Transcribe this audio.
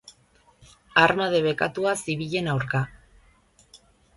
Arma debekatua zibilen aurka.